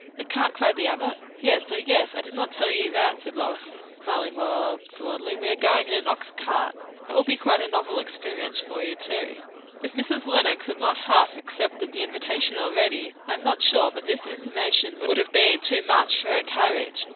"The cart!" cried the other. "Yes. O yes! I did not tell you that," said Lois, smiling more broadly. "We are going in an ox cart. That will be a novel experience for you too." If Mrs. Lenox had not half accepted the invitation already, I am not sure but this intimation would have been too much for her courage.